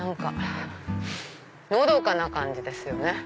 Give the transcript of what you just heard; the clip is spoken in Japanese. のどかな感じですよね。